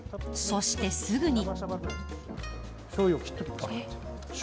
そしてすぐに。